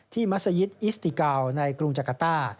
มัศยิตอิสติกาวในกรุงจักรต้า